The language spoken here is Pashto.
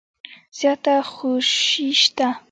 زیاته خوشي شته .